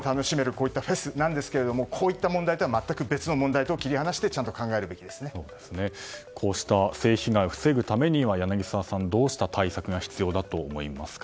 こういったフェスなんですがこういった問題とは全く別の問題と、切り離してこうした性被害を防ぐためには柳澤さん、どうした対策が必要だと思いますか。